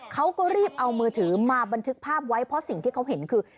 เขาก็รีบเอามือถือมาบันทึกภาพไว้เพราะสิ่งที่เขาเห็นคือ